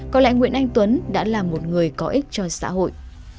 có lẽ nguyễn anh tuấn đã là một người có ích cho xã hội